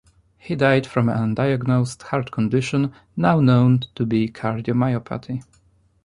He died from an undiagnosed heart condition, now known to be cardiomyopathy.